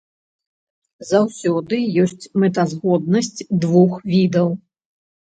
Заўсёды ёсць мэтазгоднасць двух відаў.